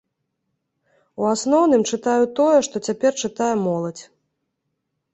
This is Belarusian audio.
У асноўным, чытаю тое, што цяпер чытае моладзь.